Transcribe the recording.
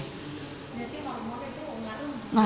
nanti ngaruh ngaruh itu mau ngaruh